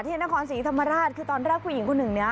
ที่นครศรีธรรมราชคือตอนรับผู้หญิงคุณหนึ่งนะ